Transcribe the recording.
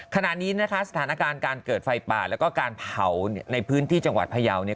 ขณะนี้นะคะสถานการณ์การเกิดไฟป่าแล้วก็การเผาในพื้นที่จังหวัดพยาวเนี่ย